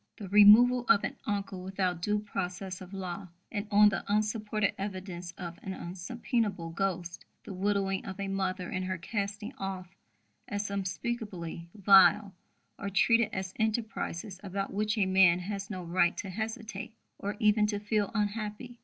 The 'removal' of an uncle without due process of law and on the unsupported evidence of an unsubpoenable ghost; the widowing of a mother and her casting off as unspeakably vile, are treated as enterprises about which a man has no right to hesitate or even to feel unhappy."